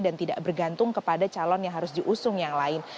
dan tidak bergantung kepada calon yang harus diusung yang lain